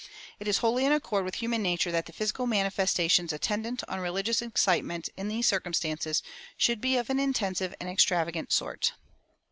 It is wholly in accord with human nature that the physical manifestations attendant on religious excitement in these circumstances should be of an intense and extravagant sort.